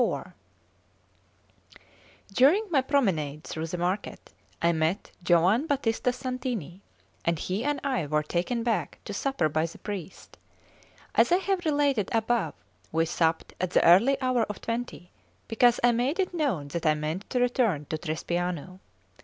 CIV DURING my promenade through the market, I met Giovan Battista Santini, and he and I were taken back to supper by the priest. As I have related above, we supped at the early hour of twenty, because I made it known that I meant to return to Trespiano.